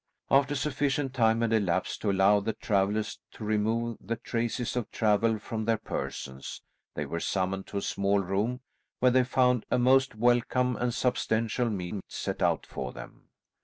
After sufficient time had elapsed to allow the travellers to remove the traces of travel from their persons, they were summoned to a small room where they found a most welcome and substantial meal set out for them.